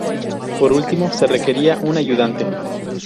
Por último, se requería un ayudante.